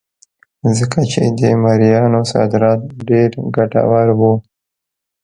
ځکه چې د مریانو صادرات ډېر ګټور وو.